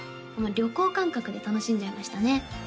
旅行感覚で楽しんじゃいましたね